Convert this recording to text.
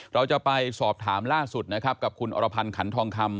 เราจะไปสอบถามล่าสุดนะครับกับคุณอรพันธ์ขันทองคำ